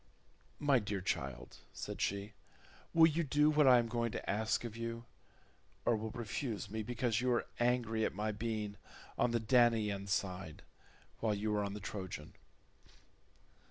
"My dear child," said she, "will you do what I am going to ask of you, or will you refuse me because you are angry at my being on the Danaan side, while you are on the Trojan?"